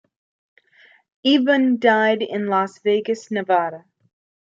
Ebon died in Las Vegas, Nevada.